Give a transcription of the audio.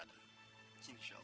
ada di mana